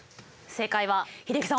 正解は英樹さん